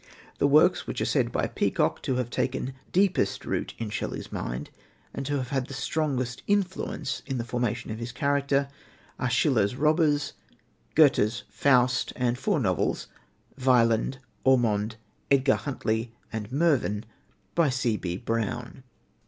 The works, which are said by Peacock to have taken deepest root in Shelley's mind and to have had the strongest influence in the formation of his character, are Schiller's Robbers, Goethe's Faust, and four novels Wieland, Ormond, Edgar Huntly, and Mervyn by C.B. Brown.